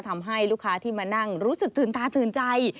ทำให้ลูกค้าที่มานั่งรู้สึกตื่นตาตื่นใจ